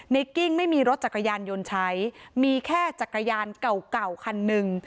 กิ้งไม่มีรถจักรยานยนต์ใช้มีแค่จักรยานเก่าเก่าคันหนึ่ง